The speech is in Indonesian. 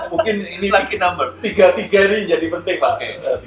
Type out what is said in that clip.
mungkin tiga ini yang menjadi penting pak